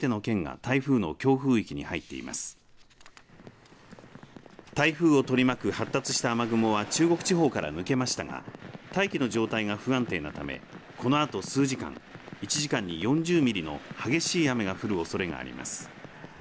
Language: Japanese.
台風を取り巻く発達した雨雲は中国地方から抜けましたが大気の状態が不安定なためこのあと数時間１時間に４０ミリの激しい雨が降るおそれがあります。